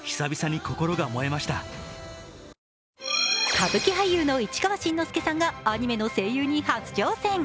歌舞伎俳優の市川新之助さんがアニメの声優に初挑戦。